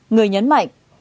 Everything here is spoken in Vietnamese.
người nhấn mạnh